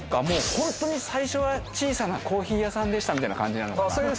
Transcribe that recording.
もう本当に最初は小さなコーヒー屋さんでしたみたいな感じなのかな？